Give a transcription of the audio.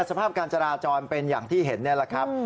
สภาพการจราจรเป็นอย่างที่เห็นนี่แหละครับ